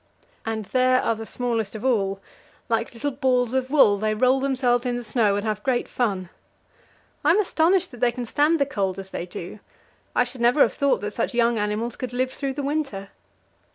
And there are the smallest of all like little balls of wool; they roll themselves in the snow and have great fun. I am astonished that they can stand the cold as they do; I should never have thought that such young animals could live through the winter.